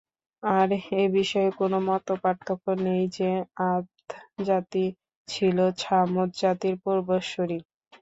আর এ বিষয়ে কোন মতপার্থক্য নেই যে, আদ জাতি ছিল ছামূদ জাতির পূর্বসূরি।